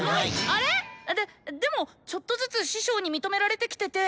あれ⁉ででもちょっとずつ師匠に認められてきてて。